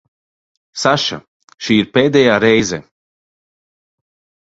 Saša, šī ir pēdējā reize.